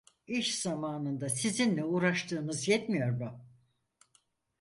İş zamanında sizinle uğraştığımız yetmiyor mu?